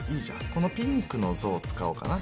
このピンクのゾウを使おうかな。